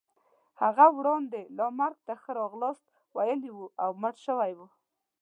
هغه وړاندې لا مرګ ته ښه راغلاست ویلی وو او مړ شوی وو.